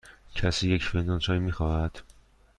کسی یک فنجان چای می خواهد؟